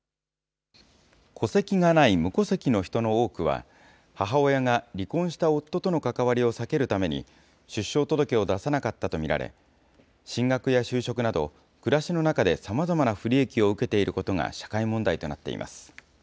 戸籍がない無戸籍の人の多くは、母親が離婚した夫との関わりを避けるために、出生届を出さなかったと見られ、進学や就職など、暮らしの中でさまざまな不利益を受けていることが社会問題となっています。